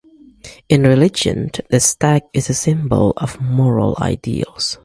In religion, the stag is a symbol of moral ideals.